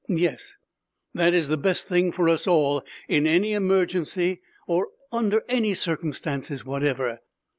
"Yes. That is the best thing for us all, in any emergency or under any circumstances whatever.